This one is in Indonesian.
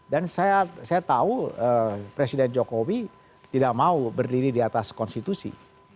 dan saya tahu presiden jokowi tidak mau berdiri di atas konstitusi